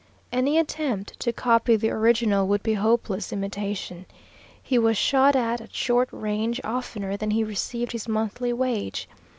Any attempt to copy the original would be hopeless imitation. He was shot at at short range oftener than he received his monthly wage.